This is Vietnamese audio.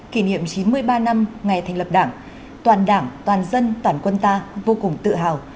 kỷ niệm chín mươi ba năm ngày thành lập đảng toàn đảng toàn dân toàn quân ta vô cùng tự hào